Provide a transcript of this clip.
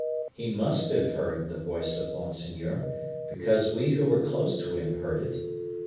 He must have heard the voice of monseigneur, because we who were close to him heard it.